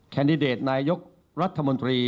แดดิเดตนายกรัฐมนตรี